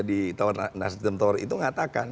di nasridem tauri itu mengatakan